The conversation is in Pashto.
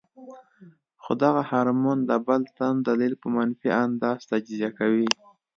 خو دغه هارمون د بل تن دليل پۀ منفي انداز تجزيه کوي -